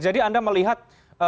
jadi anda melihat